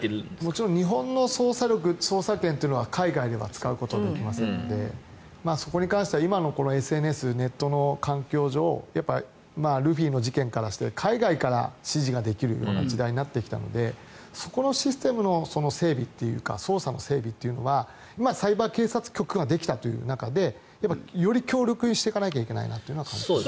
もちろん日本の捜査力捜査権というのは海外で使うことはできませんのでそこに関しては今のＳＮＳ、ネットの環境上ルフィの事件からして海外から指示できる時代になってきたのでそこのシステムの整備というか捜査の整備というのはサイバー警察局ができたという中でより強力にしていかなきゃいけないなとは感じています。